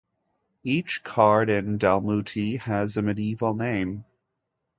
Each card in "Dalmuti" has a medieval name.